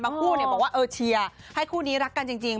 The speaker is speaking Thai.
คู่บอกว่าเออเชียร์ให้คู่นี้รักกันจริง